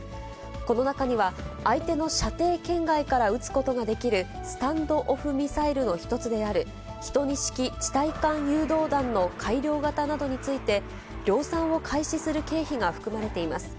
この中には、相手の射程圏外から撃つことができるスタンド・オフ・ミサイルの一つである、１２式地対艦誘導弾の改良型などについて、量産を開始する経費が含まれています。